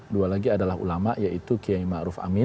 dua lagi adalah ulama yaitu qiyamim ma'ruf amin